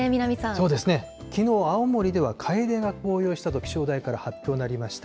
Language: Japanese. そうですね、きのうは青森ではカエデが紅葉したと気象台から発表がありました。